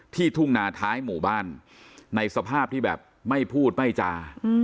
ทุ่งนาท้ายหมู่บ้านในสภาพที่แบบไม่พูดไม่จา